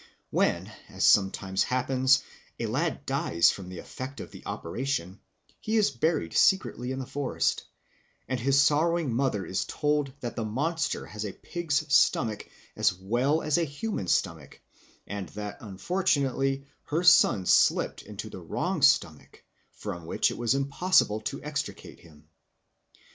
When, as sometimes happens, a lad dies from the effect of the operation, he is buried secretly in the forest, and his sorrowing mother is told that the monster has a pig's stomach as well as a human stomach, and that unfortunately her son slipped into the wrong stomach, from which it was impossible to extricate him.